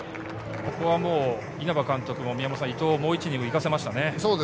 ここは稲葉監督も伊藤をもう１イニング行かせましたね。